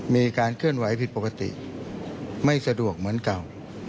มีการเคลื่อนไหวผิดปกติไม่สะดวกเหมือนเก่า